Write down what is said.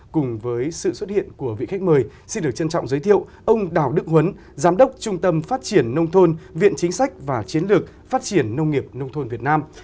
cùng với sự xuất hiện của vị khách mời xin được trân trọng giới thiệu ông đào đức huấn giám đốc trung tâm phát triển nông thôn viện chính sách và chiến lược phát triển nông nghiệp nông thôn việt nam